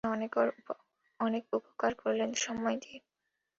আমার অনেক উপকার করলেন সময় দিয়ে।